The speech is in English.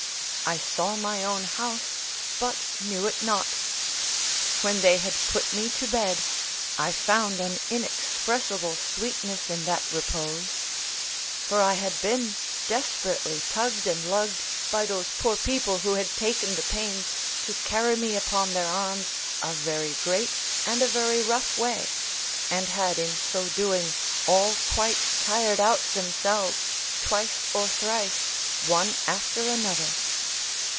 I saw my own house, but knew it not. When they had put me to bed I found an inexpressible sweetness in that repose; for I had been desperately tugged and lugged by those poor people who had taken the pains to carry me upon their arms a very great and a very rough way, and had in so doing all quite tired out themselves, twice or thrice one after another.